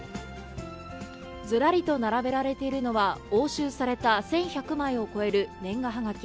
ずらりと並べられているのは、押収された１１００枚を超える年賀はがき。